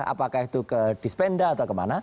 apakah itu ke dispenda atau kemana